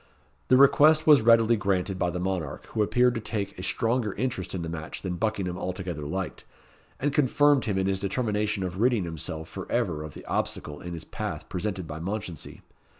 The request was readily granted by the monarch, who appeared to take a stronger interest in the match than Buckingham altogether liked, and confirmed him in his determination of ridding himself for ever of the obstacle in his path presented by Mounchensey.